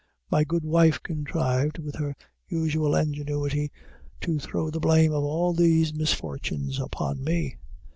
My good wife contrived, with her usual ingenuity, to throw the blame of all these misfortunes upon me.